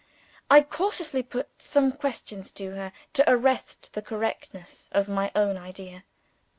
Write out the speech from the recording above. I cautiously put some questions to her to test the correctness of my own idea.